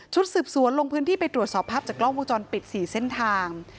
สืบสวนลงพื้นที่ไปตรวจสอบภาพจากกล้องวงจรปิด๔เส้นทาง